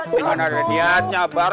di mana ada niatnya bar